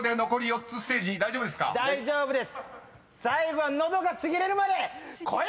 大丈夫です。